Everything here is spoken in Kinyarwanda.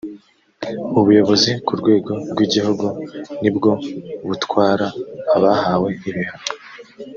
ubuyobozi ku rwego rw’igihugu nibwo butwara abahawe ibihano